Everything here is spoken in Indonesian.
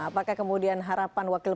apakah kemudian harapan wakil